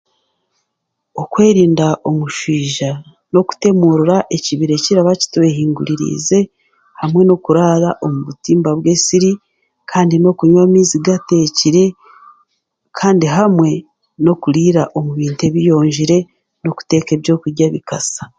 Okwerinda omushwija n'okutemurura ekibira ekiraba kitwehinguririize hamwe n'okuraara omu butimba bw'ensiri hamwe n'okunywa amaizi g'ateekire kandi hamwe n'okuriira omu bintu ebiyonjire hamwe n'okuteeka ebyokurya bikasa.